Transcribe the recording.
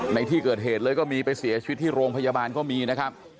ในที่เกิดเหตุเลยก็มีไปเสียชีวิตที่โรงพยาบาลก็มีนะครับ